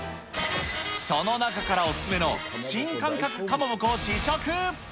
その中からお勧めの新感覚かまぼこを試食。